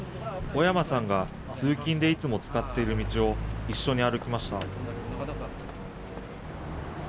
小山さんが通勤でいつも使っている道を一緒に歩きました。